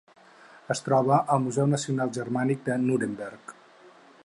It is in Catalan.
Es troba al Museu Nacional Germànic de Nuremberg.